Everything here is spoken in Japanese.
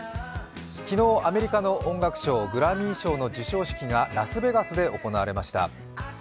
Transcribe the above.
昨日、アメリカの音楽賞、グラミー賞の授賞式がラスベガスで行われました。